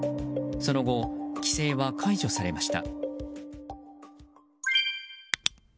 その後、規制は解除されました。